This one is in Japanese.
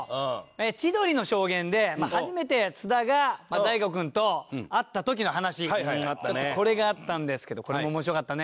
千鳥の証言で初めて津田が大悟君と会った時の話ちょっとこれがあったんですけどこれも面白かったね。